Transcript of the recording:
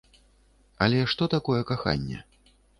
Але што такое каханне?